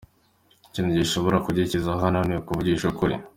Ikintu gishobora kugikiza hano ni ukuvugisha ukuri.